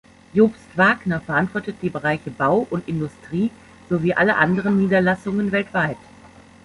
Jobst Wagner verantwortet die Bereiche Bau und Industrie, sowie alle anderen Niederlassungen weltweit.